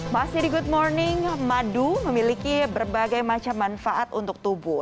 masih di good morning madu memiliki berbagai macam manfaat untuk tubuh